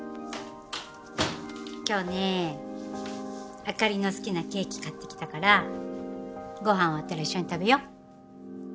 今日ね朱莉の好きなケーキ買ってきたからご飯終わったら一緒に食べよう。